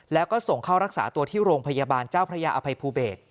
แล้วก็ส่งเข้ารักษาตัวที่โรงพยาบาลเจ้าพระยาอภัยภูเบศ